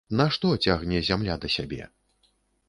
Нашто цягне зямля да сябе?